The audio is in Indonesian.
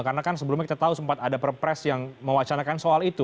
karena kan sebelumnya kita tahu sempat ada perpres yang mewacanakan soal itu